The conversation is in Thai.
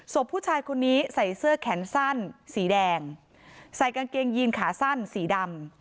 ศพผู้ชายคนนี้ใส่เสื้อแขนสั้นสีแดงใส่กางเกงยีนขาสั้นสีดำ